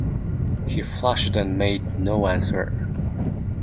He flushed and made no answer.